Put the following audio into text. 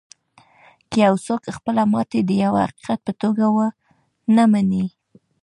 که یو څوک خپله ماتې د یوه حقیقت په توګه و نهمني